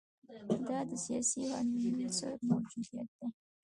دا د سیاسي عنصر موجودیت ده.